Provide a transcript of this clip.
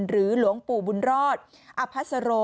หรือหลวงปู่บุญรอตอภัทรสโร